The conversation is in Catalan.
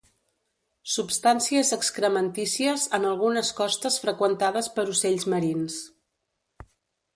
Substàncies excrementícies en algunes costes freqüentades per ocells marins.